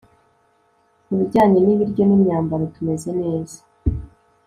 kubijyanye nibiryo n'imyambaro, tumeze neza